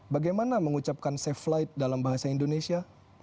bagaimana mengucapkan safe flight dalam bahasa indonesia